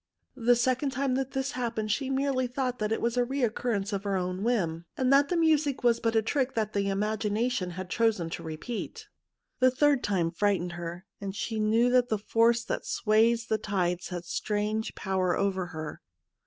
The second time that this happened she had merely thought that it was a recurrence of 52 THE MOON SLAVE her own whim, and that the music was but a trick that the imagination had chosen to repeat. The third time frightened her, and she knew that the force that sways the tides had strange power over her.